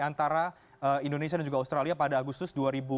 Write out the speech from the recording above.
antara indonesia dan juga australia pada agustus dua ribu dua puluh